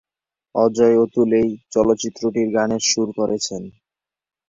অজয়-অতুল এই চলচ্চিত্রটির গানে সুর করেছেন।